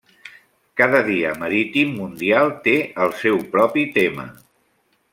Cada dia marítim mundial té el seu propi tema.